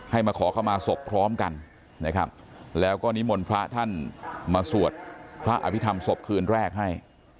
มาขอเข้ามาศพพร้อมกันนะครับแล้วก็นิมนต์พระท่านมาสวดพระอภิษฐรรมศพคืนแรกให้